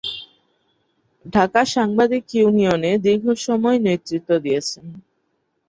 ঢাকা সাংবাদিক ইউনিয়নে দীর্ঘসময় নেতৃত্ব দিয়েছেন।